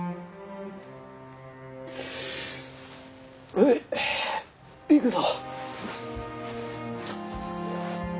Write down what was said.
おい行くぞ。